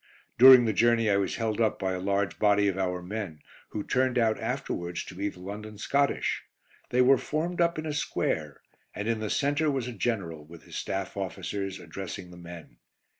During the journey I was held up by a large body of our men, who turned out afterwards to be the London Scottish. They were formed up in a square, and in the centre was a general, with his staff officers, addressing the men.